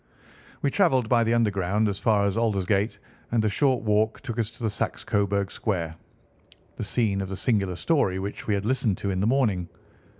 We travelled by the Underground as far as Aldersgate; and a short walk took us to Saxe Coburg Square, the scene of the singular story which we had listened to in the morning.